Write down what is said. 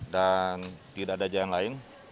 dan tidak ada jalan lain